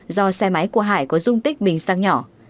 do xe máy của hải có dung tích bình xăng nhỏ